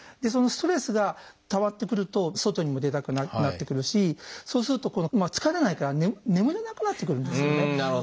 そのストレスがたまってくると外にも出たくなくなってくるしそうすると今度疲れないから眠れなくなってくるんですよね。